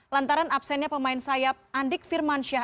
lantaran absennya pemain sayap andik firmansyah